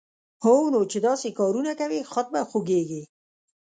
هونو چې داسې کارونه کوی، خود به خوږېږې